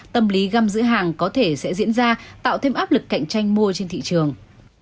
tâm lý găm giữ hàng có thể sẽ diễn ra tạo thêm áp lực cạnh tranh mua trên thị trường